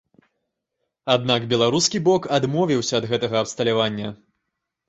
Аднак беларускі бок адмовіўся ад гэтага абсталявання.